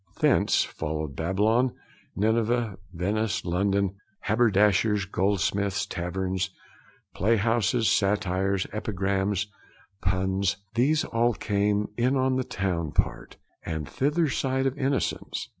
Thence followed Babylon, Nineveh, Venice, London, haberdashers, goldsmiths, taverns, play houses, satires, epigrams, puns these all came in on the town part, and thither side of innocence.'